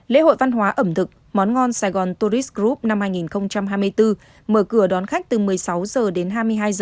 lễ hội văn hóa ẩm thực món ngon sài gòn tourist group năm hai nghìn hai mươi bốn mở cửa đón khách từ một mươi sáu h đến hai mươi hai h